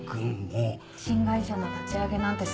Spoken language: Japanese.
新会社の立ち上げなんてすごいです。